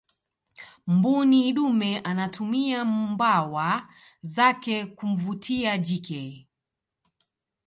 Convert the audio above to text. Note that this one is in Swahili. mbuni dume anatumia mbawa zake kumvutia jike